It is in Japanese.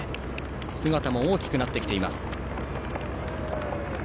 姿も大きくなってきています。